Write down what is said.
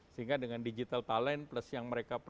sehingga dengan digital talent plus yang mereka punya